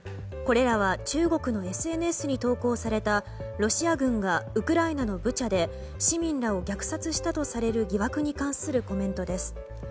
これらは中国のＳＮＳに投稿されたロシア軍がウクライナのブチャで市民らを虐殺したとされる疑惑に関するコメントです。